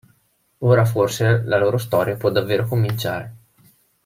Ora forse la loro storia può davvero cominciare.